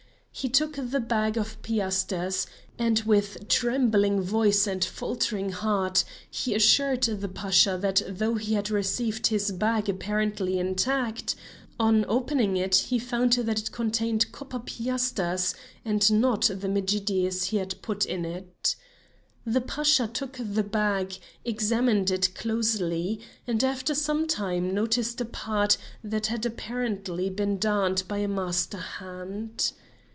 He took the bag of piasters, and with trembling voice and faltering heart he assured the Pasha that though he had received his bag apparently intact, on opening it he found that it contained copper piasters and not the medjidies he had put in it. The Pasha took the bag, examined it closely, and after some time noticed a part that had apparently been darned by a master hand.